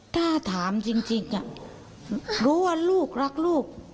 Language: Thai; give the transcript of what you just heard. ถ้าถามจริงรู้ว่าลูกรักลูก